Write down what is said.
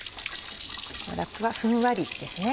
ラップはふんわりですね。